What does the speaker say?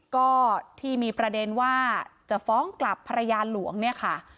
ก็ที่มีประเด็นว่าจะฟ้องกลับภรรยาหลวงเนี่ยค่ะ